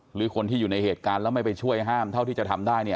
หรือคนที่อยู่ในเหตุการณ์แล้วไม่ไปช่วยห้ามเท่าที่จะทำได้เนี่ย